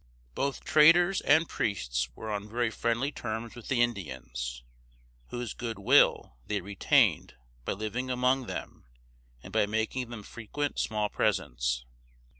Both traders and priests were on very friendly terms with the Indians, whose good will they retained by living among them and by making them frequent small presents.